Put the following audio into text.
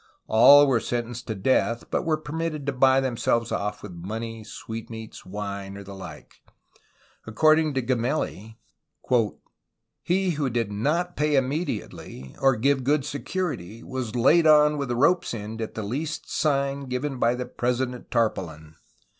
All were sentenced to death, but were permitted to buy themselves off with money, sweet meats, wine, or the like. According to Gemelli : "he who did not pay immediately, or give good security, was laid on with a rope's end at the least sign given by the president tar paulin.